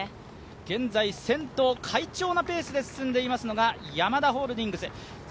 現在、先頭、快調なペースで進んでいますのがヤマダホールディングス。